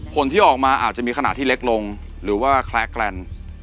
ผลที่ออกมาอาจจะมีขนาดที่เล็กลงหรือว่าแคล้แกรนด์